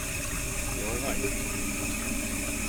Jól vagy?